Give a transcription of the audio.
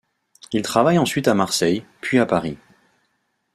Il travaille ensuite à Marseille, puis à Paris.